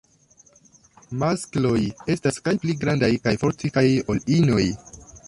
Maskloj estas kaj pli grandaj kaj fortikaj ol inoj.